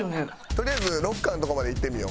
とりあえずロッカーのとこまで行ってみよう。